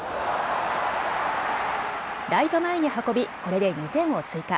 ライト前に運びこれで２点を追加。